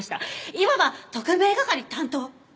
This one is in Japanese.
いわば特命係担当。